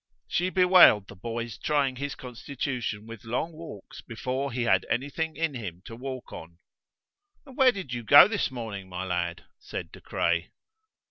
She bewailed the boy's trying his constitution with long walks before he had anything in him to walk on. "And where did you go this morning, my lad?" said De Craye.